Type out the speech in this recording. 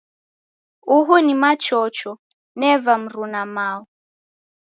Uhu ni Machocho. Neva mruna-mao.